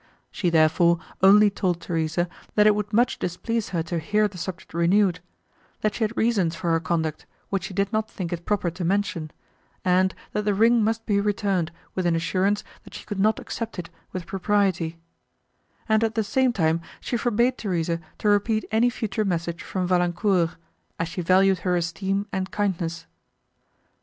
She, therefore, only told Theresa, that it would much displease her to hear the subject renewed; that she had reasons for her conduct, which she did not think it proper to mention, and that the ring must be returned, with an assurance, that she could not accept it with propriety; and, at the same time, she forbade Theresa to repeat any future message from Valancourt, as she valued her esteem and kindness.